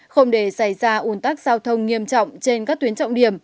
không để xảy ra ủn tắc giao thông nghiêm trọng trên các tuyến trọng điểm